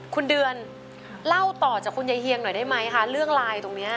คุณเดือนเล่าต่อจากคุณยายเฮียงหน่อยได้ไหมคะเรื่องไลน์ตรงนี้